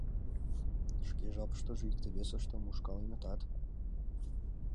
Шке жапыштыже икте-весыштым ушкаленытат.